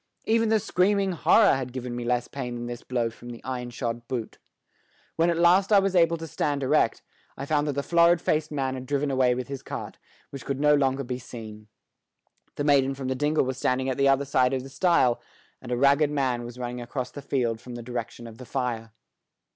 Even the screaming horror had given me less pain than this blow from the iron shod boot. When at last I was able to stand erect, I found that the florid faced man had driven away with his cart, which could no longer be seen. The maiden from the dingle was standing at the other side of the stile, and a ragged man was running across the field from the direction of the fire.